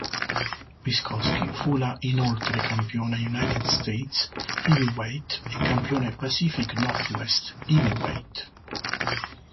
Wiskoski fu la inoltre campione United States Heavyweight e campione Pacific Northwest Heavyweight.